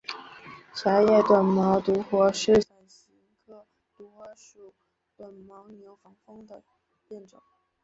狭叶短毛独活是伞形科独活属短毛牛防风的变种。